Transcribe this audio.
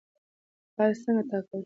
حل څنګه ټاکل شو؟